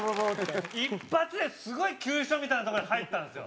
一発ですごい急所みたいなとこに入ったんですよ。